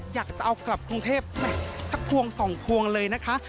อยากจะเอากลับกรุงเทพสักพวงสองพวงเลยนะคะ